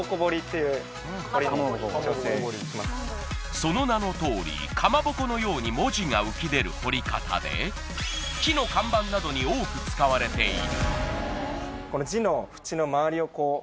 その名のとおり、かまぼこのように文字が浮きでる彫り方で、木の看板などに多く使われている。